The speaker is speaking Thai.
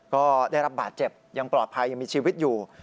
ก็ได้รับบาดเจ็บยังปลอดภัยยังมีชีวิตอยู่